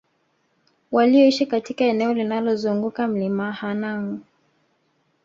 walioishi katika eneo linalozunguka Mlima Hanang